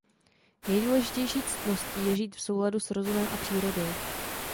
Nejdůležitější ctností je žít v souladu s rozumem a přírodou.